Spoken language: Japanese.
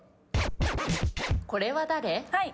これは誰？